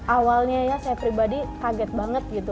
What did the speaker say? awalnya ya saya pribadi kaget banget gitu